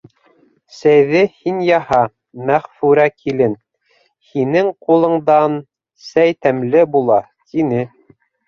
— Сәйҙе һин яһа, Мәғфүрә килен, һинең ҡулыңдан сәй тәмле була, — тине.